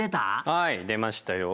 はい出ましたよ。